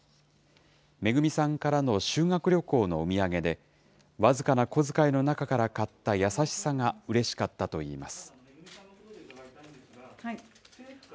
めぐみさんからの修学旅行のお土産で、僅かな小遣いの中から買った優しさがうれしかったといいます。